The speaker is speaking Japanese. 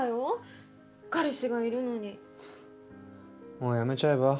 もうやめちゃえば？